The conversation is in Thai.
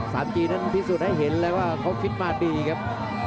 สามจีนนั้นพิสูจน์ให้เห็นเลยว่าเขาคิดมาดีครับ